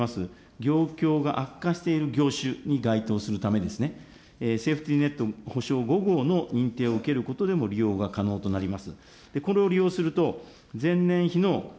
業況が悪化している業種に該当するためですね、セーフティーネット保証５号の認定を利用が可能となります。